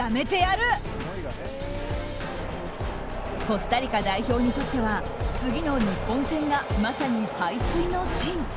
コスタリカ代表にとっては次の日本戦が、まさに背水の陣。